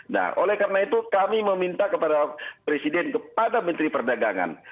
nah oleh karena itu kami meminta kepada presiden kepada menteri perdagangan